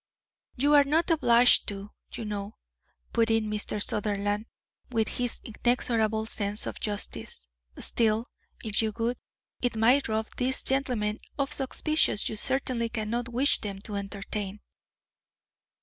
"You are not obliged to, you know," put in Mr. Sutherland, with his inexorable sense of justice. "Still, if you would, it might rob these gentlemen of suspicions you certainly cannot wish them to entertain."